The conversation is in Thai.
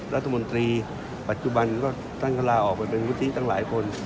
รัฐมนตรีปัจจุบันก็ท่านก็ลาออกไปเป็นวุฒิตั้งหลายคน